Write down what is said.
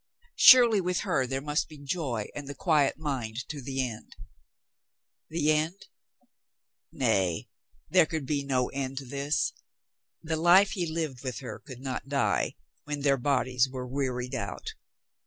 Surely with her there must be joy and the quiet mind to the end. The end? Nay, there could be no end to this. The life he lived with her could not die when their bodies were wearied out.